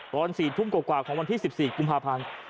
ตอน๔ทุ่มกว่าของวันที่๑๔กุมภาพันธ์